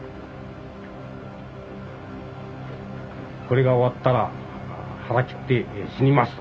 「これが終わったら腹切って死にます」と。